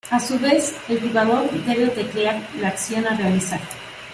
A su vez, el jugador debe teclear la acción a realizar.